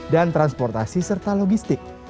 dan transportasi serta logistik